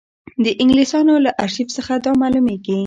د انګلیسیانو له ارشیف څخه دا معلومېږي.